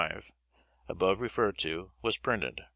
225, above referred to, was printed.